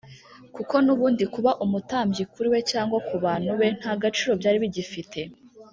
kuko n’ubundi kuba umutambyi kuri we cyangwa ku bantu be nta gaciro byari bigifite